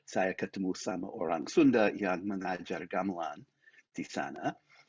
saya ketemu sama orang sunda yang mengajar gamelan di sana